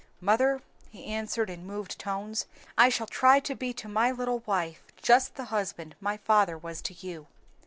"Mother," he answered in moved tones, "I shall try to be to my little wife just the husband my father was to you."